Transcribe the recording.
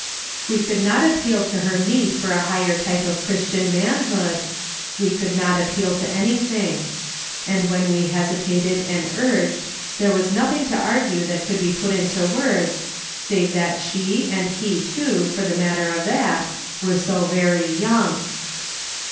We could not appeal to her need for a higher type of Christian manhood, we could not appeal to anything ; and when we hesi tated and urged, there was nothing to argue that could be put into words, save that she, and he, too, for the matter of that, were so very young.